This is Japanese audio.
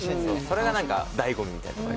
それが醍醐味みたいな。